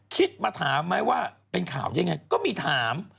คิดมาถามไหมว่าเป็นข่าวได้ไงก็มีถาม